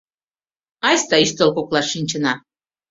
Айста ӱстел коклаш шинчына.